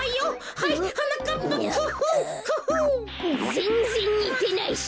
ぜんぜんにてないし！